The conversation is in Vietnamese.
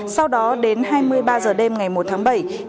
sau đó đến hai mươi ba giờ đêm ngày một tháng bảy